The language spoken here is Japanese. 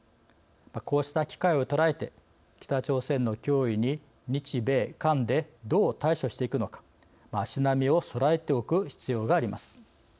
こうした機会をとらえて北朝鮮の脅威に日米韓でどう対処していくのか足並みをそろえておく必要があります。